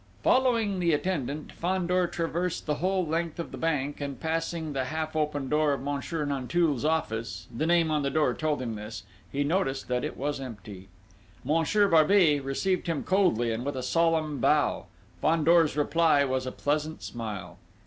Following the attendant, Fandor traversed the whole length of the bank, and passing the half open door of Monsieur Nanteuil's office the name on the door told him this he noticed that it was empty. Monsieur Barbey received him coldly and with a solemn bow. Fandor's reply was a pleasant smile.